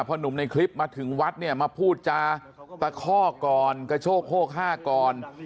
พอหนุ่มในคลิปมาถึงวัดเนี่ยมาพูดจาตะคอกก่อนกระโชกโฮกห้าก่อน